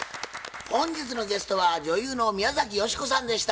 本日のゲストは女優の宮崎美子さんでした。